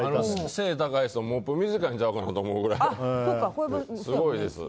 背が高い人モップ短いんちゃうかなと思うくらい、すごいです。